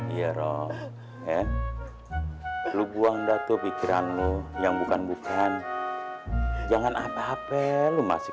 iya roh eh lu buang datuk pikiran lu yang bukan bukan jangan apa apa lu masih